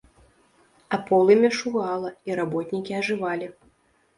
А полымя шугала, і работнікі ажывалі.